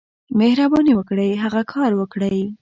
مهرباني وکړئ، هغه کار وکړئ.